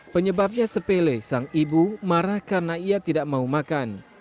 penyebabnya sepele sang ibu marah karena ia tidak mau makan